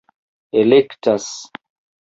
elektas